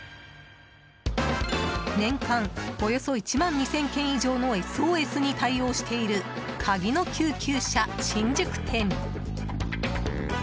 年間およそ１万２０００件以上のＳＯＳに対応しているカギの救急車新宿店。